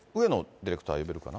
ディレクター、呼べるかな？